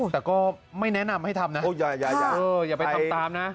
แต่ก็ไม่แนะนำให้ทำนะอย่าไปทำตามนะ